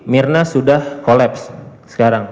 mirna sudah collapse sekarang